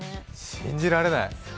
信じられない。